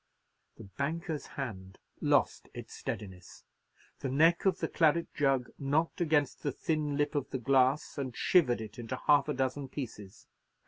The banker's hand lost its steadiness, the neck of the claret jug knocked against the thin lip of the glass, and shivered it into half a dozen pieces.